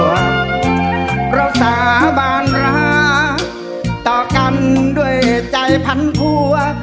เราสาบานรักต่อกันด้วยใจพันผัว